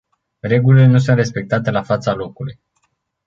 Regulile nu sunt respectate la fața locului.